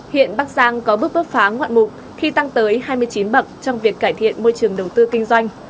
hiện bắc giang có bước bứt phá ngoạn mục khi tăng tới hai mươi chín bậc trong việc cải thiện môi trường đầu tư kinh doanh